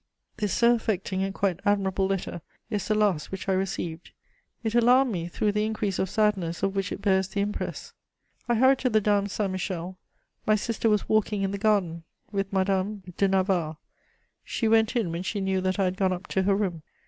This so affecting and quite admirable letter is the last which I received; it alarmed me through the increase of sadness of which it bears the impress. I hurried to the Dames Saint Michel; my sister was walking in the garden with Madame de Navarre; she went in when she knew that I had gone up to her room.